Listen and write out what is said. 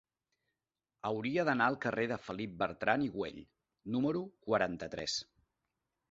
Hauria d'anar al carrer de Felip Bertran i Güell número quaranta-tres.